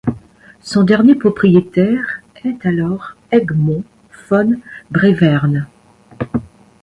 Son dernier propriétaire est alors Egmond von Brevern.